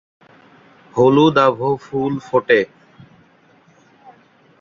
হলুদাভ ফুল ফোটে।